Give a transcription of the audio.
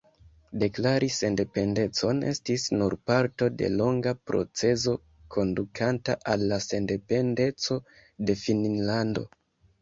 Deklari sendependecon estis nur parto de longa procezo kondukanta al la sendependeco de Finnlando.